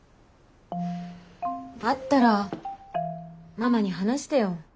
あったらママに話してよ。